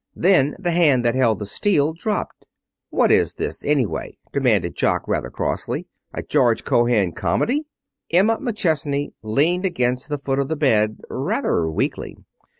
Then the hand that held the steel dropped. "What is this, anyway?" demanded Jock rather crossly. "A George Cohan comedy?" Emma McChesney leaned against the foot of the bed rather weakly.